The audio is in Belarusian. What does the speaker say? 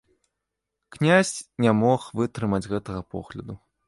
Князь не мог вытрымаць гэтага погляду.